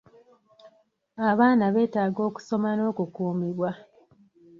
Abaana beetaaga okusoma n'okukuumibwa.